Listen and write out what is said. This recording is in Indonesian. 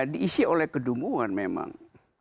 diisi oleh kedumuan memang